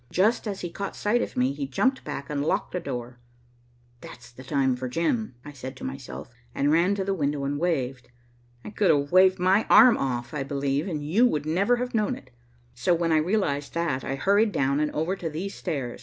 Just as he caught sight of me, he jumped back and locked the door. 'That's the time for Jim,' I said to myself, and ran to the window and waved. I could have waved my arm off, I believe, and you would never have known it, so when I realized that, I hurried down and over to these stairs.